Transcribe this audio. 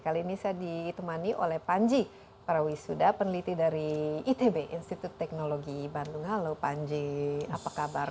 kali ini saya ditemani oleh panji parawisuda peneliti dari itb institut teknologi bandung halo panji apa kabar